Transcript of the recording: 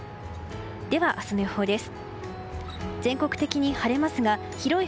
では明日の予報です。